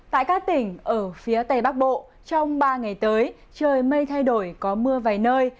tại các tỉnh ở phía tây bắc bộ trong ba ngày tới trời mây thay đổi có mưa vài nơi